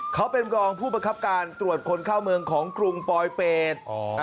เขาเป็นรองผู้ประคับการตรวจคนเข้าเมืองของกรุงปลอยเป็ด